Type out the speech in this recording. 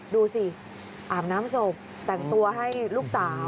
ดูสิอาบน้ำศพแต่งตัวให้ลูกสาว